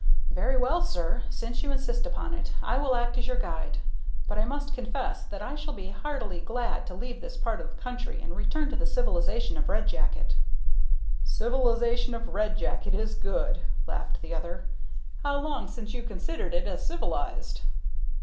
"Very well, sir. Since you insist upon it, I will act as your guide; but I must confess that I shall be heartily glad to leave this part of the country and return to the civilization of Red Jacket." "Civilization of Red Jacket is good!" laughed the other. "How long since you considered it as civilized?"